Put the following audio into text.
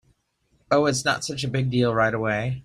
Oh, it’s not such a big deal right away.